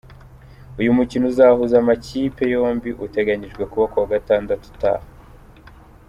Uyu mukino uzahuza amakipe yombi uteganyijwe kuba ku wa Gatandatu utaha.